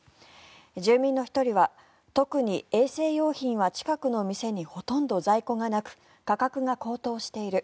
住民の１人は特に衛生用品は近くの店にほとんど在庫がなく価格が高騰している。